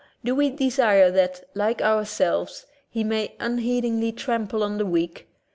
Do we desire that, like ourselves, he may un heedingly trample on the weak?